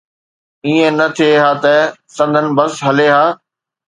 ائين نه ٿئي ها ته سندن بس هلي ها.